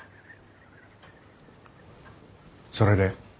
それで？